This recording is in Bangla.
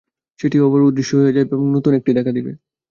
সেটিও আবার অদৃশ্য হইয়া যাইবে, এবং নূতন একটি দেখা দিবে।